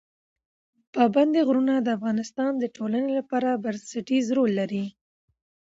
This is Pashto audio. پابندي غرونه د افغانستان د ټولنې لپاره بنسټیز رول لري.